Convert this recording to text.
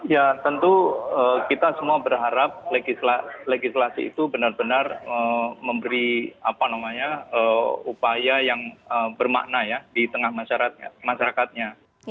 ya tentu kita semua berharap legislasi itu benar benar memberi upaya yang bermakna ya di tengah masyarakatnya